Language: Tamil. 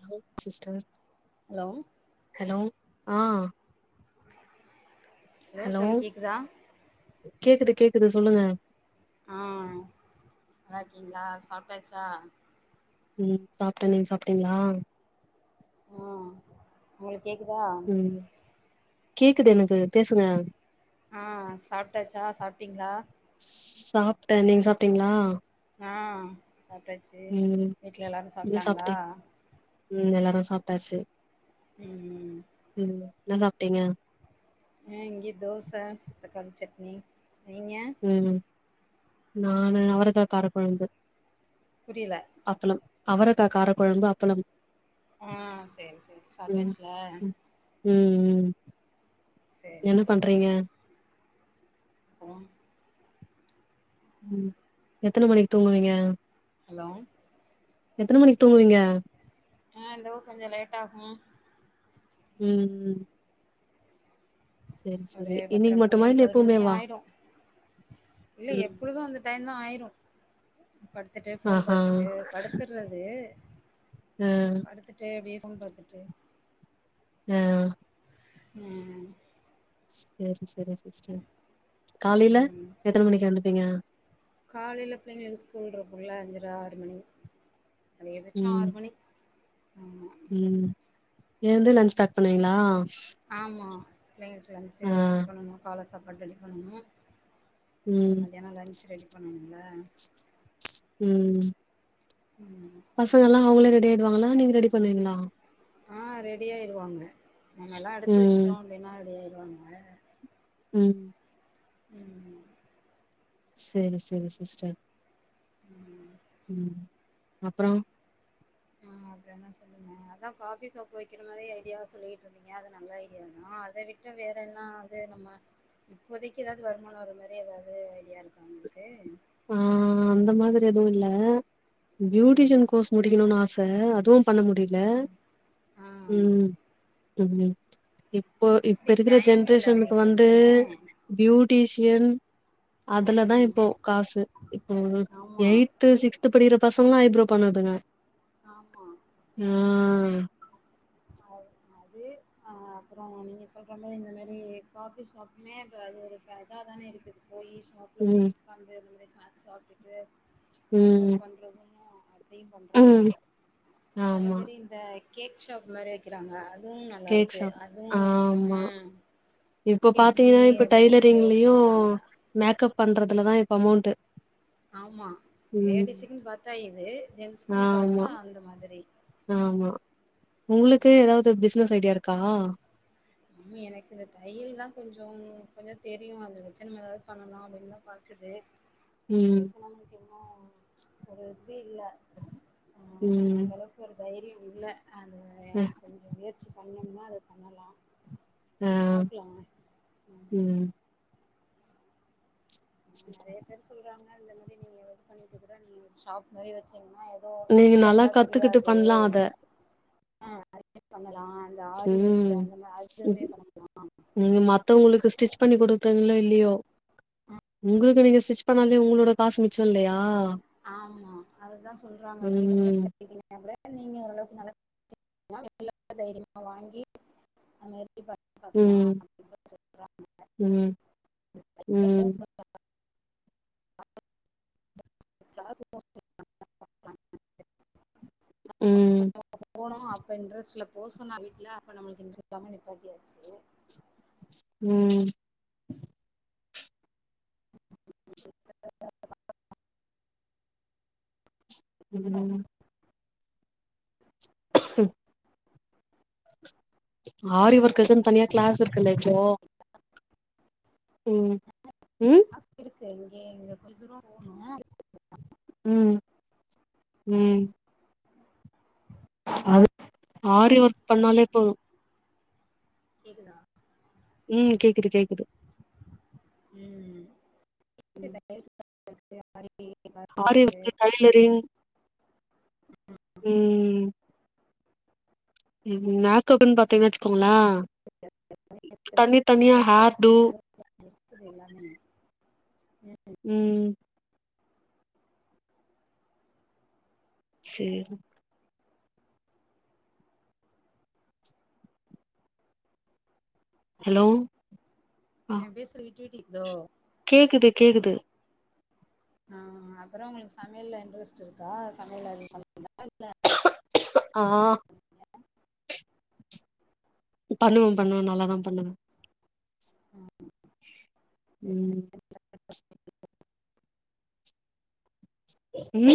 ஹலோ சிஸ்டர் ஹலோ ஹலோ ஆஹ் ஹலோ தோழி கேக்குதா கேக்குது கேக்குது சொல்லுங்க ஆ நல்லா இருக்கீங்களா சாப்ட்டாச்சா ம் சாப்ட்டே நீங்க சாப்ட்டீங்ளா ஹோ உங்களுக்கு கேக்குதா ம் கேக்குது எனக்கு பேசுங்க ஆ சாப்ட்டாச்சா சாப்ட்டீங்ளா ஸ் சாப்ட்ட நீங் சாப்ட்டீங்ளா ஆஹ் சாப்ட்டாச்சு வீட்டுல எல்லாரு என்ன சாப்ட்டாங்களா சாப்ட்டே ம் எல்லாரு சாப்ட்டாச்சு ம் ம் ம் ன்னா சாப்ட்டீங்க ஹ இங்கே தோச தக்காளி சட்னி நீங்க ம் நானு அவரக்கா கார கொழம்பு புரியல அப்பளம் அவரக்கா கார கொழம்பு அப்பளம் ஆஹ செரி செரி ம் சாப்ட்டாச்சுல ம் ம் ம் சேரி என்ன சேரி பண்றீங்க ம் ம் எத்தன மணிக்கு தூங்குவீங்க ஹலோ எத்தன மணிக் தூங்குவீங்க ஆஹ இதோ கொஞ்சம் லேட் ஆகும் ம் ம் செரி ஒரு செரி பத்திர இன்னைக்கு மணி மட்டுமா இல்ல பதினொரு மணி எப்பவுமேவா ஆயிடும் இல்ல ம் எப்பொழுதும் வந்து டையம் தா ஆயிரு படுத்துட்டு போன் ஆஹா பாத்துட்டு படுத்துடுறது ஆ படுத்து டே அப்டியே போன் பாத்துட்டு ஹ ஆஹ்ஹு சேரி சேரி சிஸ்டர் காலையில எத்தன மணிக்க எழுந்துப்பீங்க காலையில பிள்ளைங்களுக்கு ஸ்கூல் இருக்கும்ல அஞ்சர ஆறு மணி அதிக பச்சோ ம் ஆறு மணி ஆமா ம் எழுந்து லன்ச் பேக் பண்ணுவீங்ளா ஆமா பிள்ளைங்களுக்கு லன்ச் ரெடி பண்ணணு கால சாப்பாடு ரெடி பண்ணணு அப்புற ம் மத்தியானம் லன்ச் ரெடி பண்ணணும்ல உம் ம் பசங்கல்லா அவங்களே ரெடி ஆயிடுவாங்களா நீங்க ரெடி பண்ணுவீங்களா ஆ ரெடிாயாயிருவாங்க நம்ம எல்லா எடுத்து ம் வச்சுட்டோ அப்டினா ரெடி ஆயிருவாங்க ம் ம் செரி செரி சிஸ்டர் ம் ம் அப்றோ ஆ அதேனா ச அதா காஃபி சோப் வெக்கிற மாதி ஐடியா சொல்லிட்ருந்தீங்க அது நல்ல ஐடியா தா அத விட் ட்டு வேற் என்னா அதே நம்ம இப்போதைக்கி ஏதாவ்து வருமானோ வர மாரி எதாவ்து ஐடியா இருக்குன்ட்டு ஆ அந்த மாதிரி எதுவு இல்ல ம் ப்யூட்டிஷன் கோர்ஸ் முடிக்கணுன் ஆச அதூம் பண்ண முடிய்ல ஆ ஆ உம் தம்லி எப் போ இப்ப எப்டி இருக்குற டைம் இல்ல ஜென்ரேஷனுக்கு உங்களுக்கு வந்து அப்டிதானே ப்யூட்டிஷியன் அதலதா ம் இப்போ காசு இப்போல்க் ஆமா யய்ட் த்து சிக்ஸ்த்து படிக்கிற பசங்ளா ஐப்ரோ பண்ணுதுக ஆமா ம் ஆல் அதே அ அப்றோ நீங்க சொல்ற மாதி இந்த மாரி காபி ஷாப்லே த அது ஒரு ஃப இதாதானே இரு த்து பொ யே ஷாப் வீட்ல போய் ம் உக்காந்து அந்த மார் ஸ்நாக்ஸ் சாப்ட்டுட்டு அனு மாரி ம் பண்றதும்மோ அத் திய் பண்றாங்க ம் ஸ் ஸ் செல ஆமா பேர் இந்த கேக் ஷாப் மாரி வைக்கறாங்க அத் ரூம் கேக் நல்லாருக்கு ஷாப் அதுவும் ஆமா ம் இப்ப கேக் பி பாத்தீங்கன்னா இப்ப அப்டிங்கிற மாரி ஓப்பன் டைலரிங்லியு பண்றாங்க மேக்கப் பண்றதுலதா இப் அமௌண்ட்டு ஆமா ம் லேடிஸுக்குன் பாத்தா இது ஜென்ஸ்க்குன் பாத்தா ஆமா அந்த மாதிரி ஆமா உங்ளுக்கு ஏதாவது பிசனஸ் ஐடியா இருக்கா உம்மி எனக்கு இந்த தையல் தான கொஞ்சம் கொஞ்சம் தெரியும் அந்த வச்சனைம் ஏதாவது பண்ணலாம் அப்படின்னுதான் பாக்குது அந்த ம் அளவுக்கு நமக்கு இன்னு ஒரு இது இல்ல ஆ அந்த ம் அளவுக் க்குற் தைரியம் இல்ல அது அ கொஞ்சோ முயற்சி பண்ணம்னா அத பண்ணலா ஆ பாக்லாவே ம் நறையா பேர் சொல்றாங்க இந்த மாதி நீங்க வர்க் பண்ணிட்டு கூட நீங்க ஷாப் மாரி வச்சீங்ன்னா இத் தோ நீங்க வீடல நல்லா இருந்தா கத்துக்கிட்டு தெரியாது பண்லா அத ஆ [unintelligible] பண்ணலா அந்த ஆரி வர்க்கு ம் அந்த மா அதுவுமே பண்ண லா நீங்க மத்தவங்களுக்கு ஸ்டிச் பண்ணி குடுக்றீங்ளோ இல்லியோ ஆ உங்களுக்கு நீங்க ஸ்டிச் ப்பனாலே உங்களோட காஸ் மிச்சோ இல்லையா ஆமா அதுதா சொல்றாங்க அப்டே கொஞ்சோ ம். கட்டிக்கினு அப்ரே நீங்க ஓரளவுக்கு நல்லா [unintelligible] தைரியமா வாங்கி அமேரிபா பாக்கலா ம். [unintelligible] சொல்றாங்க ம். ம். [unintelligible] காசு [unintelligible] ம். [unintelligible] போனோ அப்ப இன்ரெஸ் லவ் போசொன்னா வீட்ல அப்ப நம்மளுக் [unintelligible] நிப்பாட்டியாச்சு ம் [inaudible] ம் ம் ஆரி ஒர்க்ஸ்னு தனியா கிளாஸ் இருக்குல இப்போ ம், ம் ஆச இருக்கு இங்க இங்க கொஞ்ச தூரம் போணு ம், ம் அது ஆரி ஒர்க் பண்ணாலே இப்போ கேக்குதா ம் கேக்குது கேக்குது ம் ம். [inaudible] ஆரி ஓர்க் டைலரிங், ம் ம், மேக்கப்புனு பாத்தீங்கனா வச்சுக்கோங்கள கொஞ்ச தனி தனியா ஹேர் டூ இது எல்லாமே, ம் ம் சேரி ஹலோ ஆ நா பேசுறது விட்டு விட்டு கேக்குதோ கேக்குது கேக்குது அப்பறோ உங்களுக்கு சமையல்ல இன்ட்ரெஸ்ட் இருக்கா சமையல்ல எது பண்ண இருக்கா இல்ல ஆ பண்ணுவ பண்ணுவ நல்லாதா பண்ணுவ ம் ம்